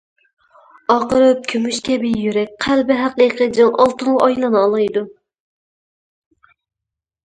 ئاقىرىپ كۈمۈش كەبى يۈرەك قەلبى، ھەقىقىي جىڭ ئالتۇنغا ئايلىنالايدۇ.